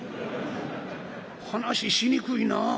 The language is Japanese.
「話しにくいな。